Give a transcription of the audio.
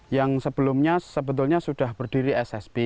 yang sebelumnya sebetulnya sudah berdiri ssb